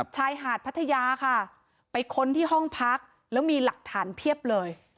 ชายหาดพัทยาค่ะไปค้นที่ห้องพักแล้วมีหลักฐานเพียบเลย